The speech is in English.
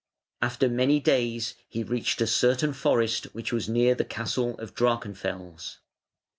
After many days he reached a certain forest which was near the castle of Drachenfels.